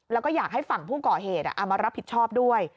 แล้วก็อยากให้ฝั่งผู้ก่อเหตุเอามารับผิดชอบด้วย